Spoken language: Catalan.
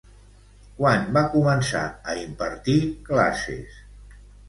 Quan va començar a impartir classes?